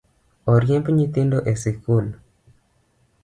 Oriemb nyithindo e sikul